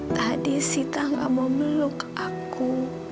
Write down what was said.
tadi sita nggak mau meluk aku